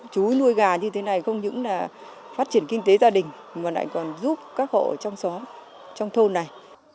chú nuôi gà như thế này không những là phát triển kinh tế gia đình mà lại còn giúp các hộ ở trong xóm trong thôn này